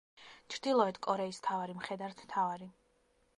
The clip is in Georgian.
ჩრდილოეთ კორეის მთავარი მხედართმთავარი.